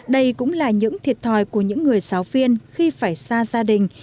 đây cũng là những thiệt thòi của những người giáo viên khi phải xa gia đình